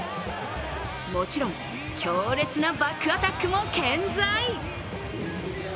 もちろん強烈なバックアタックも健在。